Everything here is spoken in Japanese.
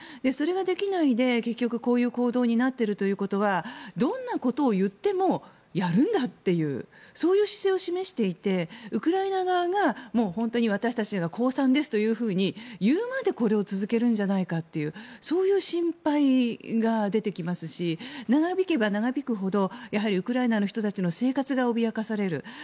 それができないで結局こういう行動になっているということはどんなことを言ってもやるんだっていうそういう姿勢を示していてウクライナ側が本当に私たちは降参ですというふうに言うまでこれを続けるんじゃないかというそういう心配が出てきますし長引けば長引くほどウクライナの人たちの生活が脅かされる。